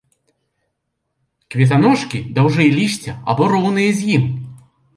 Кветаножкі даўжэй лісця або роўныя ім.